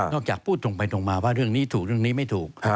จากพูดตรงไปตรงมาว่าเรื่องนี้ถูกเรื่องนี้ไม่ถูก